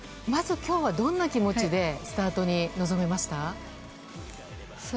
まず今日はどんな気持ちでスタートに臨みました？